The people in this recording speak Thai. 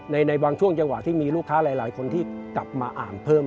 ในบางช่วงจังหวะที่มีลูกค้าหลายคนที่กลับมาอ่านเพิ่ม